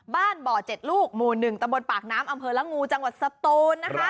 บ่อ๗ลูกหมู่๑ตะบนปากน้ำอำเภอละงูจังหวัดสตูนนะคะ